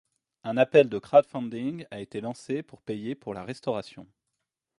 Un appel de crowdfunding a été lancé pour payer pour la restauration.